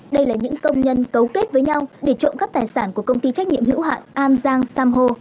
đây là những công nhân cấu kết với nhau để trộm cắp tài sản của công ty trách nhiệm hữu hạn an giang sam hô